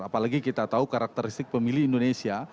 apalagi kita tahu karakteristik pemilih indonesia